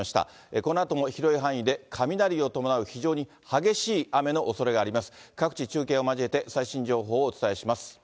このあとも広い範囲で雷を伴う非常に激しい雨のおそれがあります。